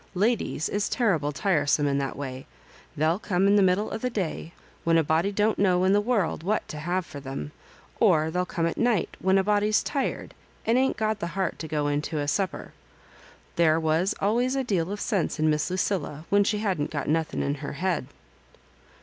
Ladies is terrible tire* some in that way ; they'll come in the middle o* the day, when a body don't know in the world what to have for them ; or they'll come at night, when a body's tired, and ain't got the heart to^ into a supper. There was always a deal of sense in Miss LucillA, when she hadn't got nothing in her head."